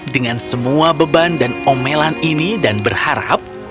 dengan semua beban dan omelan ini dan berharap